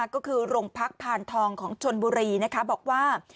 ก็คือโรงพักพานทองของชนบุรีนะคะบอกว่า